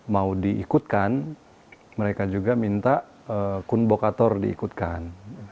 mau diikutkan mereka juga minta kun bokator diikutkan